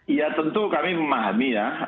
iya tentu kami memahami